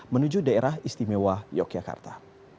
menuju daerah istimewa yogyakarta